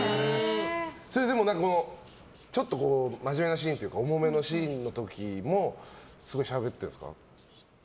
それでも、真面目なシーンとか重めのシーンの時もすごいしゃべってるんですか。